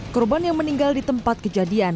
korban yang meninggal di tempat kejadian